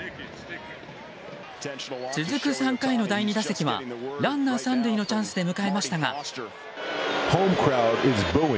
続く３回の第２打席はランナー３塁のチャンスで迎えましたが。